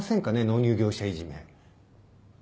納入業者いじめ。